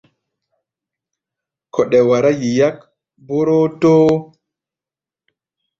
Kɔɗɛ wará yi yák borotoo.